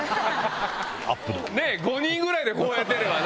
５人ぐらいでこうやってればな。